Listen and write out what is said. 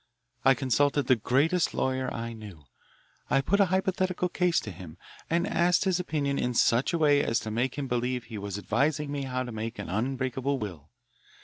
I consulted the greatest lawyer I knew. I put a hypothetical case to him, and asked his opinion in such a way as to make him believe he was advising me how to make an unbreakable will.